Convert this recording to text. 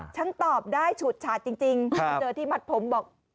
ฉันตอบได้ฉุดฉาดจริงมาเจอที่มัดผมบอก